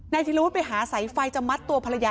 นายเทียระวุฒิไปหาสายไฟจะมัดตัวภรรยา